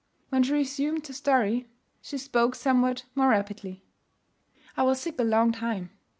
When she resumed her story, she spoke somewhat more rapidly. 'I was sick a long time.